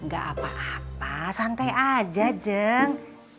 gak apa apa santai aja jeng